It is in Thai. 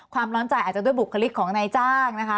ความร้อนใจอาจจะด้วยบุคลิกของนายจ้างนะคะ